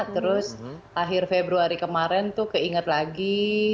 terus akhir februari kemarin tuh keinget lagi